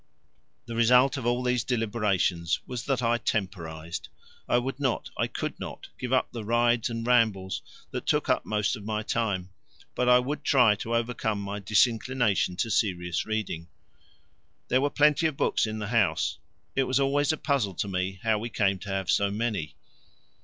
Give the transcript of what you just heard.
The result of all these deliberations was that I temporized: I would not, I could not, give up the rides and rambles that took up most of my time, but I would try to overcome my disinclination to serious reading. There were plenty of books in the house it was always a puzzle to me how we came to have so many.